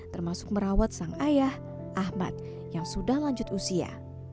termasuk merawat sang ayah ahmad yang sudah lanjut usia